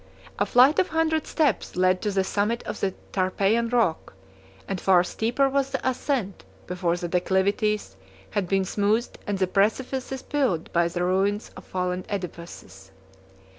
A flight of a hundred steps led to the summit of the Tarpeian rock; and far steeper was the ascent before the declivities had been smoothed and the precipices filled by the ruins of fallen edifices.